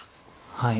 はい。